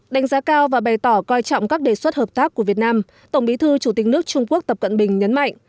đánh giá cao và bày tỏ coi trọng các đề xuất hợp tác của việt nam tổng bí thư chủ tịch nước trung quốc tập cận bình nhấn mạnh